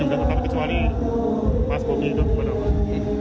enggak tetap kecuali mas bobi itu gimana